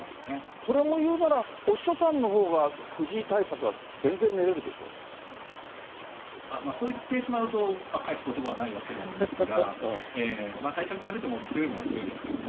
それを言うなら、お師匠さんのほうが、あっ、まあそう言ってしまうと返すことばがないわけなんですが、対策されても強いものは強いですからね。